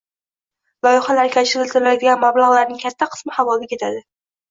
loyihalarga ajratiladigan mablag‘larning katta qismi havoga ketadi.